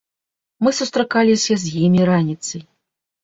Мы сустракаліся з імі раніцай.